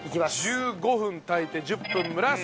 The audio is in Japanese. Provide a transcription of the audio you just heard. １５分炊いて１０分蒸らす。